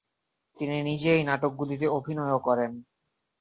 তিনি নিজে এই নাটকগুলিতে অভিনয়ও করেন।